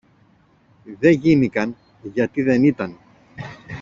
Δε γίνηκαν, γιατί δεν ήταν.